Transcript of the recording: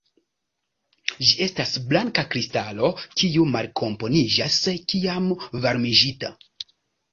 Ĝi estas blanka kristalo kiu malkomponiĝas kiam varmigita.